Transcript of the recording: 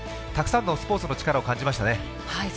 たくさんのスポーツのチカラを感じましたね。